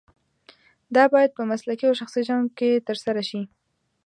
دا باید په مسلکي او شخصي ژوند کې ترسره شي.